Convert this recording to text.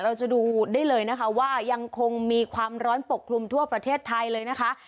เราจะดูได้เลยนะคะว่ายังคงมีความร้อนปกคลุมทั่วประเทศไทยเลยนะคะ